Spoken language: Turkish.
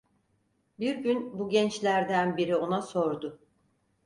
Bir gün bu gençlerden biri ona sordu: